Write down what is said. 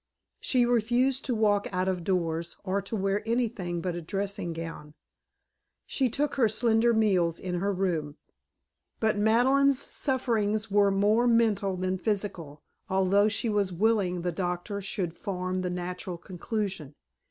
She refused to walk out of doors or to wear anything but a dressing gown; she took her slender meals in her room. But Madeleine's sufferings were more mental than physical, although she was willing the doctor should form the natural conclusion.